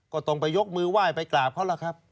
ก็ต้องไปยกมือไหว้ไปกราบเขาล่ะครับ